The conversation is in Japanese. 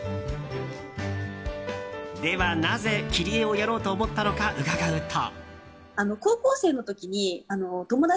ではなぜ、切り絵をやろうと思ったのか伺うと。